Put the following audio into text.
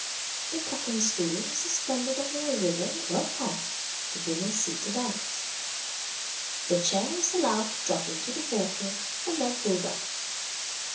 The cucking stool is suspended over a river or a pond, the woman seated on it. The chair is allowed to drop into the water, and then pulled out.